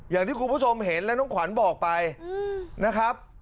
อย่างที่คุณผู้ชมเห็นและน้องขวัญบอกไปนะครับ